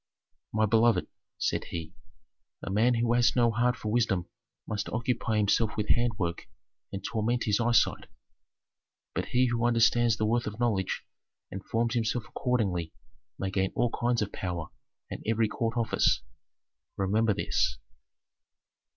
"My beloved," said he, "a man who has no heart for wisdom must occupy himself with handwork and torment his eyesight. But he who understands the worth of knowledge and forms himself accordingly may gain all kinds of power and every court office. Remember this.